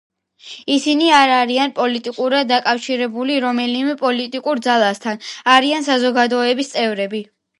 ისინი არ არიან პოლიტიკურად დაკავშირებული რომელიმე პოლიტიკურ ძალასთან, არიან საზოგადოების წევრები.